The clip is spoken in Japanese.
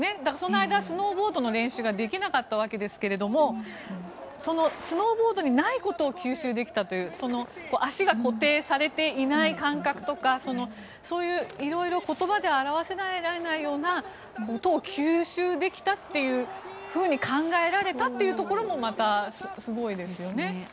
だから、その間スノーボードの練習ができなかったわけですがスノーボードにないことを吸収できたという足が固定されていない感覚とかそういう、いろいろ言葉で表せられないようなことを吸収できたというふうに考えられたところもまたすごいですよね。